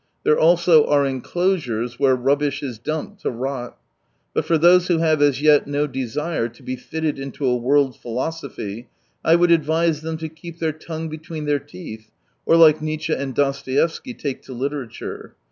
There also are enclosures where rubbish is dumped to rot. But for those who have as yet no desire to be fitted into a world philosophy, I would advise them to keep their tongue between their teeth, or like Nietzsche and Dostoevsky, take to literature.